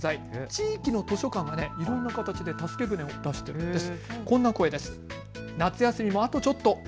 地域の図書館がいろんな形で助け船を出しているんです。